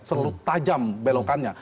seluruh tajam belokannya